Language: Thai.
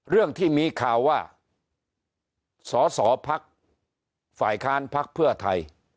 เรื่องที่มีข่าวว่าสอสอพักฝ่ายค้านพักเพื่อไทย